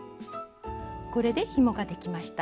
これでひもができました。